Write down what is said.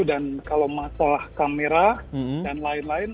dan kalau masalah kamera dan lain lain